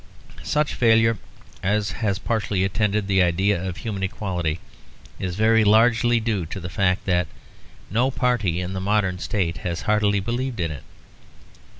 Such failure as has partially attended the idea of human equality is very largely due to the fact that no party in the modern state has heartily believed in it.